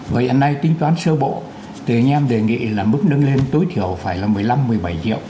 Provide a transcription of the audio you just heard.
và hiện nay tính toán sơ bộ thì anh em đề nghị là mức nâng lên tối thiểu phải là một mươi năm một mươi bảy triệu